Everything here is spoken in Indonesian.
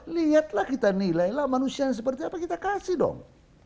lihatlah kita nilailah manusia seperti apa kita kasih dong